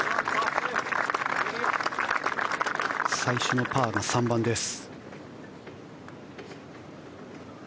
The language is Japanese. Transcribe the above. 最初のパーが３番です。